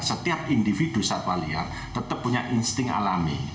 setiap individu satwa liar tetap punya insting alami